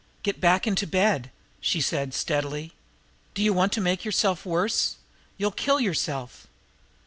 "Get back into bed," she said steadily. "Do you want to make yourself worse? You'll kill yourself!"